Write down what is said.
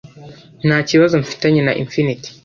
nta kibazo mfitanye na Infinity